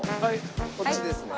こっちですね。